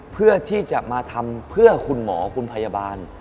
เพื่อที่จะมาทำเพื่อคุณหมอคุณพยาบาล